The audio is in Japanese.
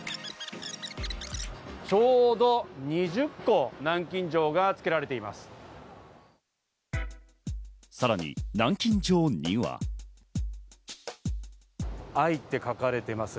ちょうど２０個、南京錠がつけられています。